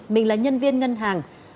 mình là nhân viên ngân hàng